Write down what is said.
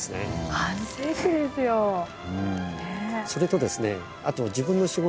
それとですね